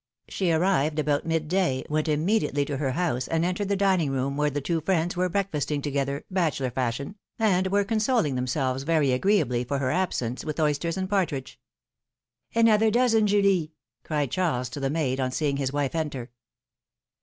She arrived about mid day, w'ent immediately to her house, and entered the dining room, where the two friends were breakfasting together, bachelor fashion, and were consoling themselves very agreeably for her absence with oysters and a partridge. '^Another dozen, Julie!" cried Charles to the maid, on seeing his wife enter.